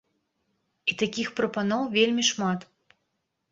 І такіх прапановаў вельмі шмат!